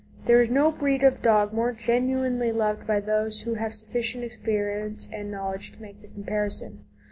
There is no breed of dog more genuinely loved by those who have sufficient experience and knowledge to make the comparison.